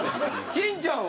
金ちゃんは？